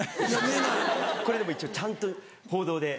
これでも一応ちゃんと報道で。